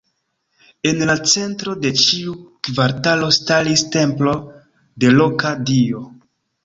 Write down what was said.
En la centro de ĉiu kvartalo staris templo de loka dio.